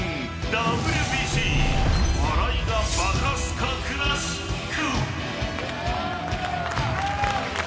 ＷＢＣ笑いが・バカスカ・クラシック。